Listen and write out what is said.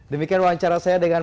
demikian wawancara saya dengan